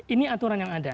ini aturan yang ada